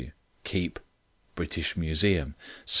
W. Keep... British Museum.